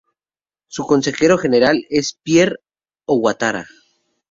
Su consejero general es Pierre Ouattara.